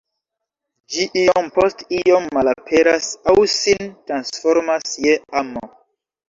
Ĝi iom post iom malaperas aŭ sin transformas je amo.